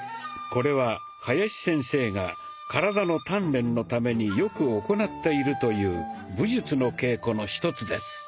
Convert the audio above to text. これは林先生が体の鍛錬のためによく行っているという武術の稽古の一つです。